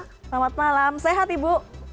selamat malam sehat ibu